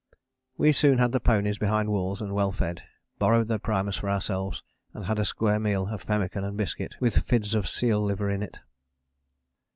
We soon had the ponies behind walls and well fed, borrowed their primus for ourselves, and had a square meal of pemmican and biscuit with fids of seal liver in it.